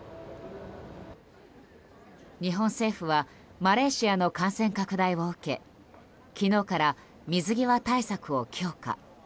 日本政府はマレーシアの感染拡大を受け昨日から水際対策を強化。